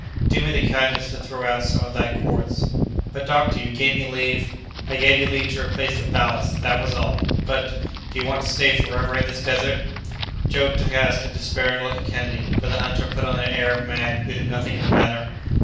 "Do me the kindness to throw out some of that quartz!" "But, doctor, you gave me leave—" "I gave you leave to replace the ballast; that was all!" "But—" "Do you want to stay forever in this desert?" Joe cast a despairing look at Kennedy; but the hunter put on the air of a man who could do nothing in the matter.